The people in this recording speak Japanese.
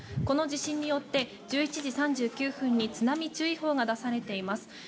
この地震によって１１時３９分に津波注意報が出されています。